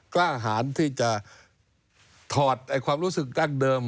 กล้าหารที่จะถอดความรู้สึกดั้งเดิม